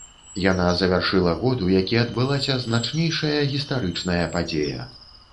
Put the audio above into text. Яна завяршыла год, у які адбылася значнейшая гістарычная падзея.